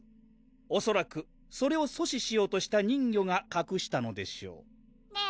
おそらくそれを阻止しようとした人魚がかくしたのでしょうねぇ